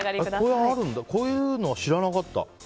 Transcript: こういうの、知らなかった。